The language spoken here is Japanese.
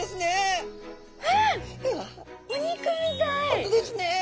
本当ですね。